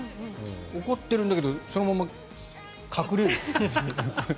怒ってるけどそのまま隠れる。